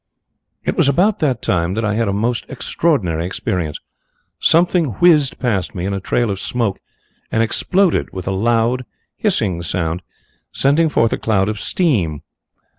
"It was about that time that I had a most extraordinary experience. Something whizzed past me in a trail of smoke and exploded with a loud, hissing sound, sending forth a cloud of steam.